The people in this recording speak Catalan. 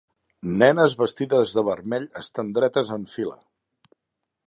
Nenes vestides de vermell estan dretes en fila.